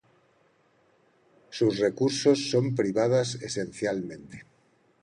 Sus recursos son privadas esencialmente.